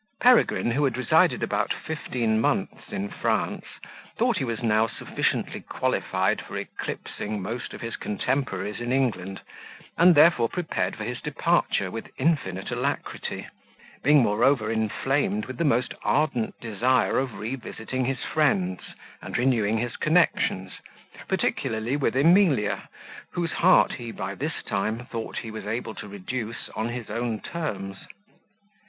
Peregrine, who had resided about fifteen months in France, thought he was now sufficiently qualified for eclipsing most of his contemporaries in England, and therefore prepared for his departure with infinite alacrity; being moreover inflamed with the most ardent desire of revisiting his friends, and renewing his connections, particularly with Emilia, whose heart he by this time, thought he was able to reduce on his own terms.